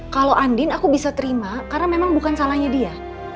kalau andin aku bisa terima karena memang bukan salahnya dia